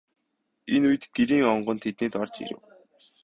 Энэ үед Гэрийн онгон тэднийд орж ирэв.